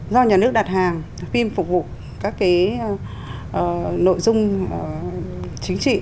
do nhà nước đặt hàng phim phục vụ các nội dung chính trị